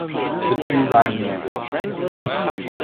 The two ride in the ambulance together.